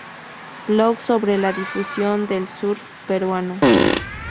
Blog sobre la difusión del surf peruano